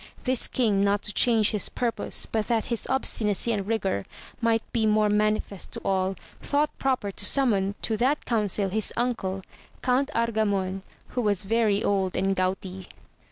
This king not to change his purpose, but that 26 AMADIS OF GAUL his obstinacy and rigour might be more manifest to all, thought proper to summon to that council his uncle Count Argamon, who was very old and gouty.